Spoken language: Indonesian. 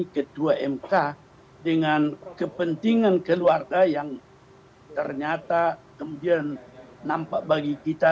ketua mk dengan kepentingan keluarga yang ternyata kemudian nampak bagi kita